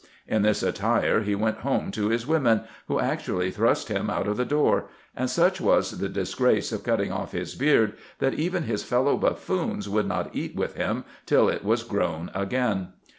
In this attire he went home to his women, who actually thrust him out of the door ; and such was the disgrace of cutting off his beard, that even his felloAv buffoons would not eat with him till it was grown again.